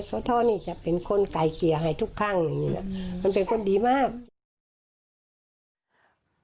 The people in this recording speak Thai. ศาวท้อนี่จะเป็นคนไก่เกียร์ให้ทุกครั้งมันเป็นคนดีมาก